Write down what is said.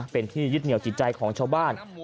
เป็นที่ยึดเหนียวจิตใจของชาวบ้าน